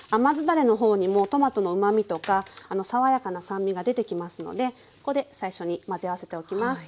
だれの方にもトマトのうまみとか爽やかな酸味が出てきますのでここで最初に混ぜ合わせておきます。